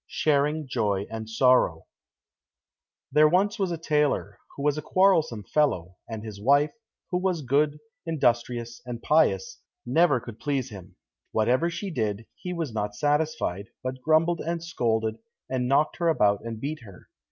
170 Sharing Joy and Sorrow There was once a tailor, who was a quarrelsome fellow, and his wife, who was good, industrious, and pious, never could please him. Whatever she did, he was not satisfied, but grumbled and scolded, and knocked her about and beat her.